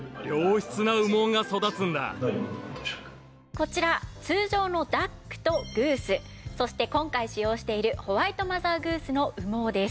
こちら通常のダックとグースそして今回使用しているホワイトマザーグースの羽毛です。